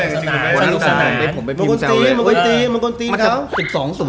หมุนตี้หมุนตี้มันกดตีเขา